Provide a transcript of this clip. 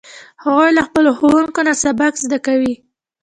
هغوی له خپلو ښوونکو نه سبق زده کوي